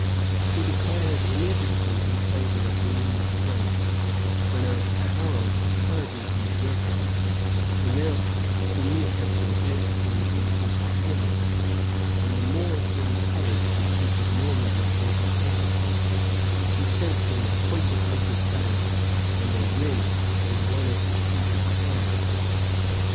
He declared immediately in favor of William's claim; pronounced Harold a perjured usurper; denounced excommunication against him and his adherents; and the more to encourage the duke of Normandy in his enterprise, he sent him a consecrated banner, and a ring with one of St. Peter's hairs in it.